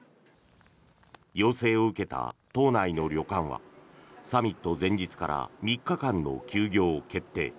要請を受けた島内の旅館はサミット前日から３日間の休業を決定。